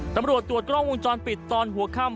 ตำรวจตรวจกล้องวงจรปิดตอนหัวค่ำ